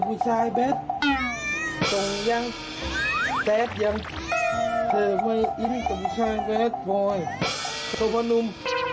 แบบบอยตัวมานุ่ม